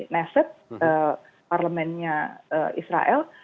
neset parlemennya israel